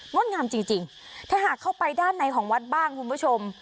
ดงามจริงจริงถ้าหากเข้าไปด้านในของวัดบ้างคุณผู้ชม